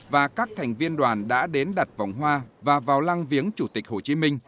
và các thành viên đoàn đã đến đặt vòng hoa và vào lăng viếng chủ tịch hồ chí minh